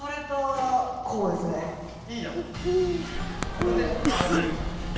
これであげる。